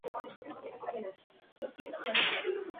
New York and London, McGraw-Hill book Co.